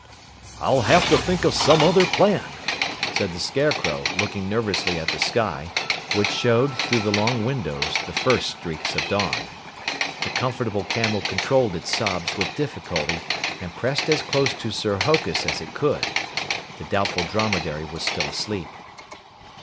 "I'll have to think of some other plan," said the Scarecrow, looking nervously at the sky, which showed, through the long windows, the first streaks of dawn. The Comfortable Camel controlled its sobs with difficulty and pressed as close to Sir Hokus as it could. The Doubtful Dromedary was still asleep.